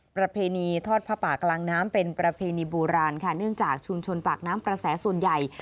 ประเพณีทอดผ้าป่ากลางน้ำเป็นประเพณีโบราณค่ะเนื่องจากชุมชนปากน้ำประแสส่วนใหญ่